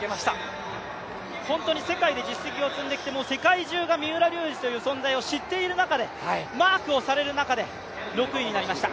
本当に世界で実績を積んできて、世界中が三浦龍司を知っている中で、マークされる中で６位になりました。